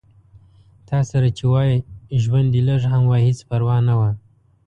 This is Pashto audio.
تاسره چې وای ژوند دې لږ هم وای هېڅ پرواه نه وه